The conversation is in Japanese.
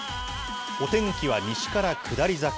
お天気は西から下り坂。